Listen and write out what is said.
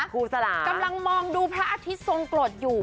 สละกำลังมองดูพระอาทิตย์ทรงกรดอยู่